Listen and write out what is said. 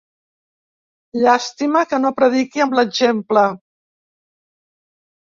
Llàstima que no prediqui amb l'exemple.